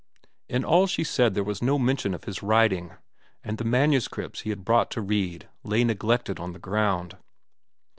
In all she said there was no mention of his writing, and the manuscripts he had brought to read lay neglected on the ground.